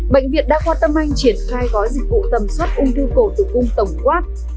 bệnh viện đa khoa tâm anh triển khai gói dịch vụ tầm soát ung thư cổ tử cung tổng quát